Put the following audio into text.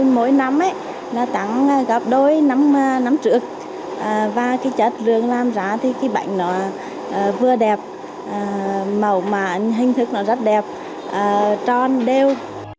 mỗi nắm tặng gặp đôi nắm trước và chất lượng làm ra bánh vừa đẹp màu mà hình thức rất đẹp tròn đều